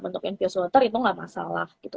bentuk infuse water itu gak masalah gitu